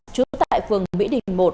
chú tại phường mỹ đình một